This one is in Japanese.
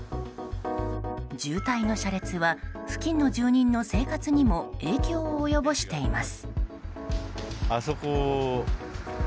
渋滞の車列は付近の住人の生活にも影響を及ぼしています。